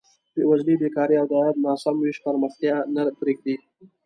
بېوزلي، بېکاري او د عاید ناسم ویش پرمختیا نه پرېږدي.